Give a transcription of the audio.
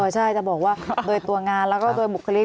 ใช่แต่บอกว่าโดยตัวงานและโดยบุคลิก